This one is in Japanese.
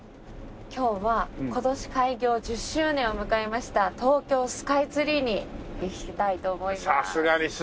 今日は今年開業１０周年を迎えました東京スカイツリーに行きたいと思います。